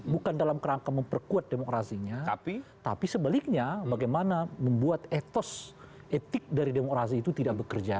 bukan dalam kerangka memperkuat demokrasinya tapi sebaliknya bagaimana membuat etos etik dari demokrasi itu tidak bekerja